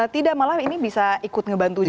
tidak malah ini bisa ikut ngebantu juga